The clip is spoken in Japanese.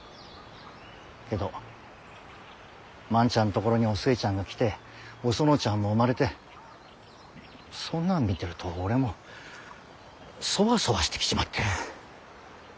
けど万ちゃんところにお寿恵ちゃんが来てお園ちゃんも生まれてそんなん見てると俺もそわそわしてきちまって。